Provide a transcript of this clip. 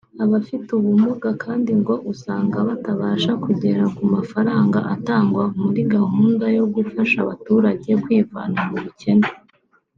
Abafite ubumuga kandi ngo usanga batabasha kugera ku mafaranga atangwa muri gahunda yo gufasha abaturage kwivana mu bukene